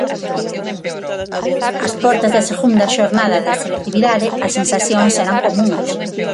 Ás portas da segunda xornada da selectividade, as sensacións eran comúns.